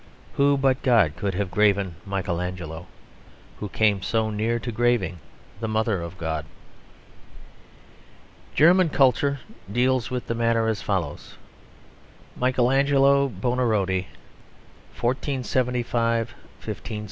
Who but God could have graven Michael Angelo; who came so near to graving the Mother of God? German culture deals with the matter as follows: "Michelangelo Buonarotti (1475 1564).